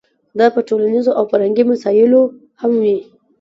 دا په ټولنیزو او فرهنګي مسایلو هم وي.